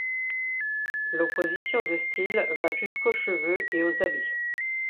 L'opposition de style va jusqu'aux cheveux et aux habits.